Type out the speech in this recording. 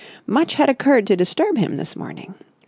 Much had occurred to disturb him this morning.